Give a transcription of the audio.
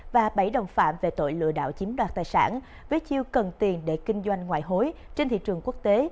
và bảy đồng phạm về tội lừa đảo chiếm đoạt tài sản với chiêu cần tiền để kinh doanh ngoại hối trên thị trường quốc tế